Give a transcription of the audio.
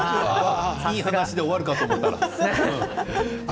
いい話で終わるかと思ったら。